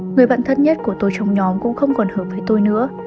người bạn thân nhất của tôi trong nhóm cũng không còn hợp với tôi nữa